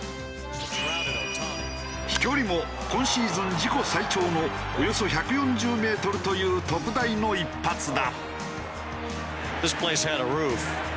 飛距離も今シーズン自己最長のおよそ１４０メートルという特大の一発だ。